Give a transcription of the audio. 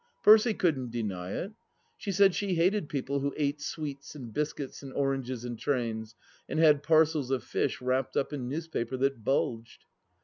Percy couldn't deny it. She said she hated people who ate sweets and biscuits and oranges in trains, and had parcels of fish wrapped up in newspaper that bulged.